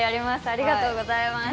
ありがとうございます。